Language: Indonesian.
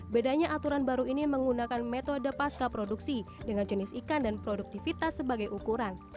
bedanya aturan baru ini menggunakan metode pasca produksi dengan jenis ikan dan produktivitas sebagai ukuran